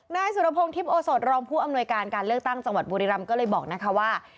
นายสุรพงศ์ทิพย์โอสดรองผู้อำนวยการการเลือกตั้งจังหวัดบุรีรำก็เลยบอกนะคะว่า